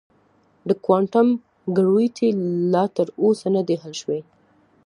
د کوانټم ګرویټي لا تر اوسه نه دی حل شوی.